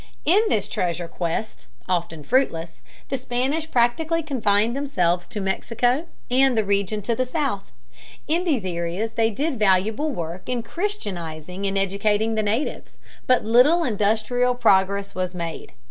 In this treasure quest, often fruitless, the Spanish practically confined themselves to Mexico and the region to the south. In these areas they did valuable work in Christianizing and educating the natives, but little industrial progress was made.